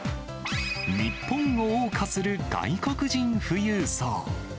日本をおう歌する外国人富裕層。